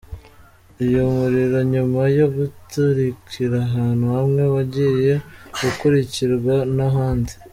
Uyu muriro nyuma yo guturikira ahantu hamwe, wagiye ukwirakwira n’ahandi.